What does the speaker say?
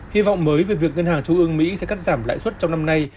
hy vọng mới về việc ngân hàng trung ương mỹ sẽ cắt giảm lãi suất trong năm nay